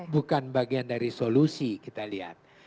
bukan bagian dari solusi kita lihat